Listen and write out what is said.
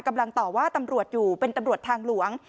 กำลังต่อว่าตำรวจอยู่เป็นตำรวจทางหลวง